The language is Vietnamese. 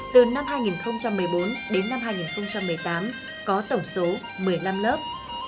từ năm hai nghìn một mươi bốn đến năm hai nghìn một mươi tám có tổng số một mươi năm lớp